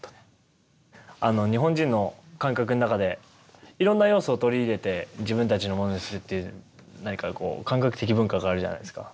あの日本人の感覚の中でいろんな要素を取り入れて自分たちのものにするっていう何か感覚的文化があるじゃないですか。